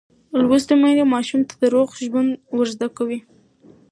لوستې میندې ماشوم ته روغ ژوند ورزده کوي.